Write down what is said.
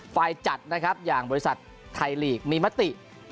ฝ่ายจัดอย่างบริษัทไทยลีกมีมติ